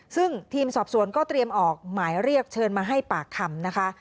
ซึ่งทีมสอบสวนก็เตรียมออกหมายเรียกเชิญมาให้ปากคำนะคะ